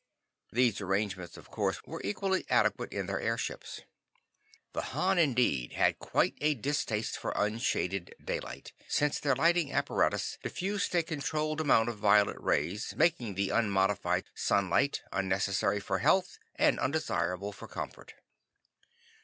These arrangements of course were equally adequate in their airships. The Hans, indeed, had quite a distaste for unshaded daylight, since their lighting apparatus diffused a controlled amount of violet rays, making the unmodified sunlight unnecessary for health, and undesirable for comfort.